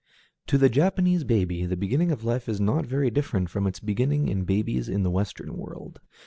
To the Japanese baby the beginning of life is not very different from its beginning to babies in the Western world.